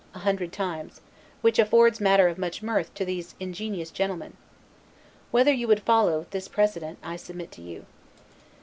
a hundred times; which affords matter of much mirth to those ingenious gentlemen. Whether you would follow, this precedent, I submit to you.